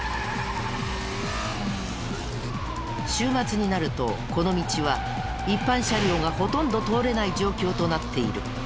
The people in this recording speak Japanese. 週末になるとこの道は一般車両がほとんど通れない状況となっている。